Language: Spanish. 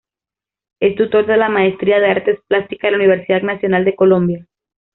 Es tutor de la maestría de artes plásticas de la Universidad Nacional de Colombia.